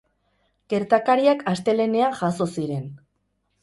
Gertakariak astelehenean jazo ziren.